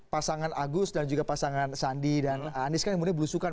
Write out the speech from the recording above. pasangan agus dan juga pasangan sandi dan anies kan kemudian berusukan